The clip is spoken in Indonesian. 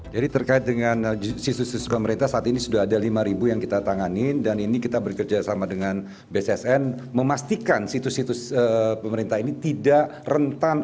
jadi terkait dengan situs situs pemerintah saat ini sudah ada lima yang kita tanganin dan ini kita bekerja sama dengan bssn memastikan situs situs pemerintah ini tidak rentan